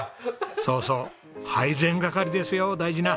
そうそう配膳係ですよ大事な。